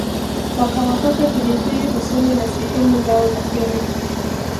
wakawapaka pilipili usoni na sehemu zao za siri